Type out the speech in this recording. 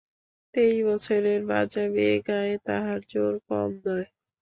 তেইশ বছরের বাজা মেয়ে, গায়ে তাহার জোর কম নয়।